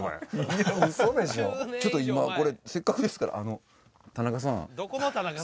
ちょっと今これせっかくですから田中さん